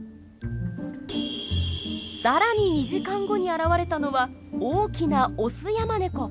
更に２時間後に現れたのは大きなオスヤマネコ！